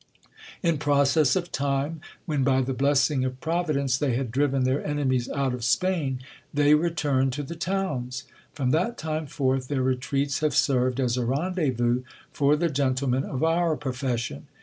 In pro cess of time, when by the blessing of Providence they had driven their enemies out of Spain, they returned to the towns. From that time forth their retreats have served as a rendezvous for the gentlemen of our profession.